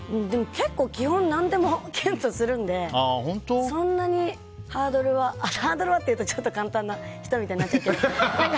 でも結構、基本何でもキュンとするんでそんなにハードルはハードルはって言うとちょっと簡単な人みたいになっちゃって。